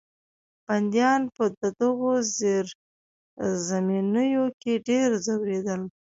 بندیان به په دغو زیرزمینیو کې ډېر ځورېدل.